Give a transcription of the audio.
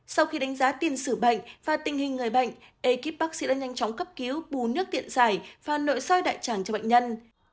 sau khi đánh giá tiền sử bệnh và tình hình người bệnh ekip bác sĩ đã nhanh chóng cấp cứu bù nước tiện giải và nội soi đại tràng cho bệnh nhân